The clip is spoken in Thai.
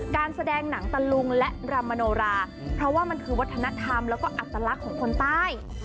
การแสดงหนังตะลุงและรำมโนราเพราะว่ามันคือวัฒนธรรมแล้วก็อัตลักษณ์ของคนใต้